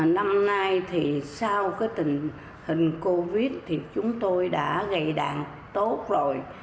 năm nay thì sau cái tình hình covid thì chúng tôi đã gây đạn tốt rồi